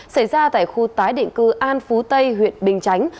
xảy ra tại khu tái định cư an phú tây huyện bình chánh